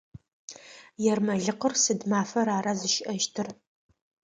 Ермэлыкъыр сыд мафэр ара зыщыӏэщтыр?